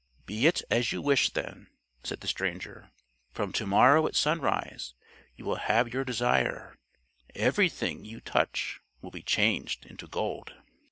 "Be it as you wish, then," said the stranger: "from to morrow at sunrise you will have your desire everything you touch will be changed into gold."